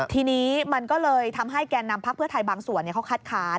ทีนี้มันก็เลยทำให้แก่นำพักเพื่อไทยบางส่วนเขาคัดค้าน